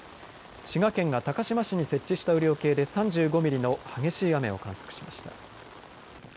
滋賀県が高島市に設置した雨量計で３５ミリの激しい雨を観測しました。